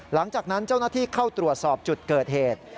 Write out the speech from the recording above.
หลังจากนั้นเจ้าหน้าที่เข้าตรวจสอบจุดเกิดเหตุ